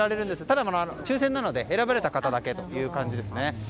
ただ、抽選なので選ばれた方だけという感じです。